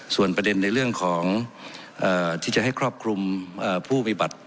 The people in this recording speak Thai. ส่วนประเด็นในเรื่องของที่จะให้ครอบคลุมผู้มีบัตร